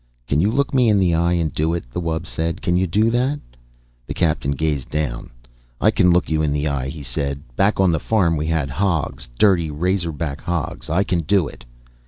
"Can you look me in the eye and do it?" the wub said. "Can you do that?" The Captain gazed down. "I can look you in the eye," he said. "Back on the farm we had hogs, dirty razor back hogs. I can do it."